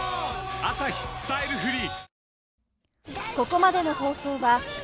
「アサヒスタイルフリー」！